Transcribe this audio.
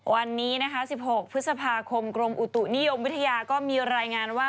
วันนี้นะคะ๑๖พฤษภาคมกรมอุตุนิยมวิทยาก็มีรายงานว่า